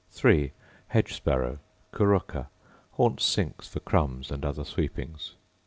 Hedge sparrow, Curruca: Haunt sinks for crumbs and other sweepings.